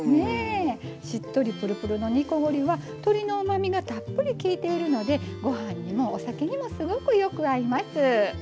しっとりぷるぷるの煮こごりは鶏のうまみがたっぷりきいているのでごはんにもお酒にもすごくよく合います。